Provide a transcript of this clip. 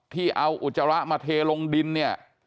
ที่เอาอุจจาระมาเทลงดินเนี่ย